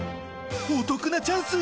お得なチャンス！